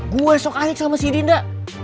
gue sok aneh sama si dinda